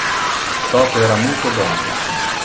Toto era multo bon.